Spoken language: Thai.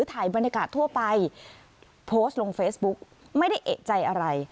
ถ่ายบรรยากาศทั่วไปโพสต์ลงเฟซบุ๊กไม่ได้เอกใจอะไร